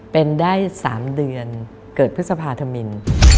เป็นได้๓เดือนเกิดพฤษภาธมิน